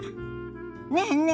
ねえねえ